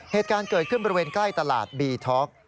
เหตุการณ์เกิดขึ้นบริเวณใกล้ตลาดบีท็อก